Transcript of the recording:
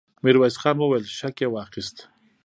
ميرويس خان وويل: شک يې واخيست!